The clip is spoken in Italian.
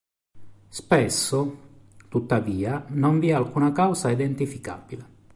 Spesso, tuttavia, non vi è alcuna causa identificabile.